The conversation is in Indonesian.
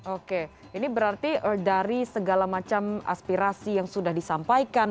oke ini berarti dari segala macam aspirasi yang sudah disampaikan